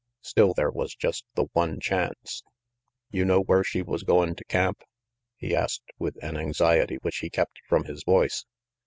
Still, there was just the one chance. "You know where she was goin' to camp?" he asked with an anxiety which he kept from his voice.